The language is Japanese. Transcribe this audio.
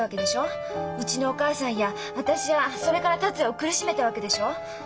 うちのお母さんや私やそれから達也を苦しめたわけでしょう？